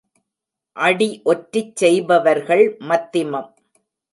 அடி ஒற்றிச் செய்பவர்கள் மத்திமம்.